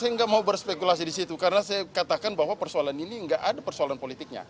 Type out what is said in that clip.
saya nggak mau berspekulasi di situ karena saya katakan bahwa persoalan ini nggak ada persoalan politiknya